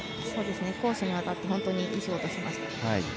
攻守にわたって本当にいい仕事をしました。